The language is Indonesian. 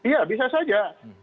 ya bisa saja